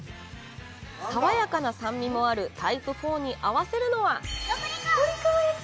爽やかな酸味もあるタイプ４に合わせるのはとり皮焼き！？